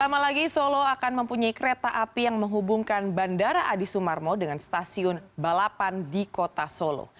sama lagi solo akan mempunyai kereta api yang menghubungkan bandara adi sumarmo dengan stasiun balapan di kota solo